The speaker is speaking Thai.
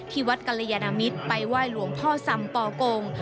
วัดกรยานมิตรไปไหว้หลวงพ่อสำปอกง